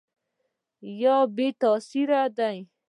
یا بې تاثیره دي ؟